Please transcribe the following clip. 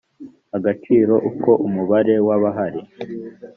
agaciro uko umubare w abahari